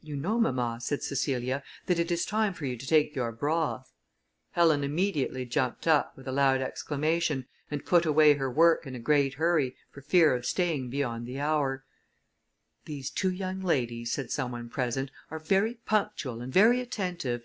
"You know, mamma," said Cecilia, "that it is time for you to take your broth." Helen immediately jumped up, with a loud exclamation, and put away her work in a great hurry, for fear of staying beyond the hour. "These two young ladies," said some one present, "are very punctual, and very attentive."